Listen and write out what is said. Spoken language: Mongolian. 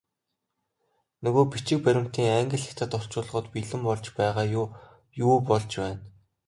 Нөгөө бичиг баримтын англи, хятад орчуулгууд бэлэн болж байгаа юу, юу болж байна?